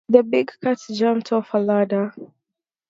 The big cat jumped off a ladder.